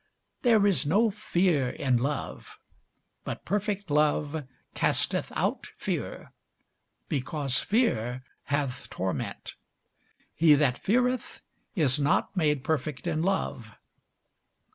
There is no fear in love; but perfect love casteth out fear: because fear hath torment. He that feareth is not made perfect in love.